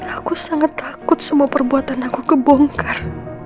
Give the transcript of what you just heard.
aku sangat takut semua perbuatan aku kebongkar